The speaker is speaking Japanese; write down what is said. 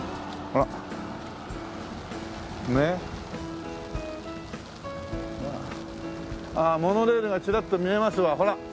ああモノレールがチラッと見えますわほら。